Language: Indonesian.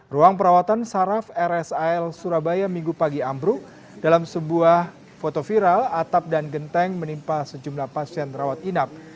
ruang perawatan saraf rsal surabaya minggu pagi ambruk dalam sebuah foto viral atap dan genteng menimpa sejumlah pasien rawat inap